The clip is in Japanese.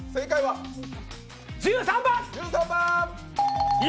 １３番！